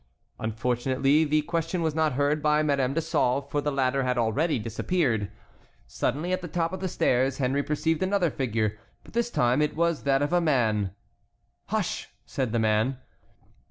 Unfortunately, the question was not heard by Madame de Sauve, for the latter had already disappeared. Suddenly at the top of the stairs Henry perceived another figure, but this time it was that of a man. "Hush!" said the man.